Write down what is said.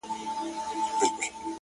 • شاوخوا یې ترې را تاوکړله خطونه ,